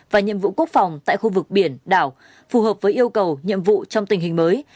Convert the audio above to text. và nhiệm vụ quốc phòng tại khu vực biển đảo phù hợp với yêu cầu nhiệm vụ trong tình hình mới